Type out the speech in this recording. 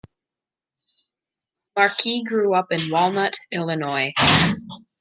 Marquis grew up in Walnut, Illinois.